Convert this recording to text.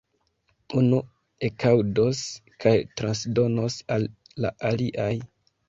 Unu ekaŭdos kaj transdonos al la aliaj.